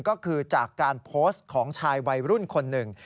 ก็คือจากการโพสต์ของชายวัยรุ่นคนหนึ่ง